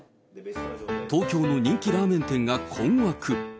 東京の人気ラーメン店が困惑。